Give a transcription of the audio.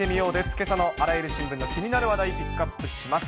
けさのあらゆる新聞の気になる話題、ピックアップします。